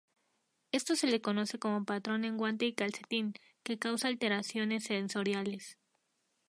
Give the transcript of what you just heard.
Esto se le conoce como patrón "en guante y calcetín" que causa alteraciones sensoriales.